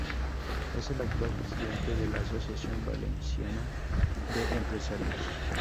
Es el actual presidente de la Asociación Valenciana de Empresarios.